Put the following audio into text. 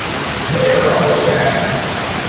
They are all OK.